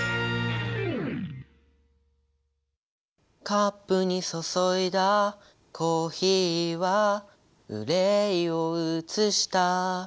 「カップに注いだコーヒーは憂いを映した」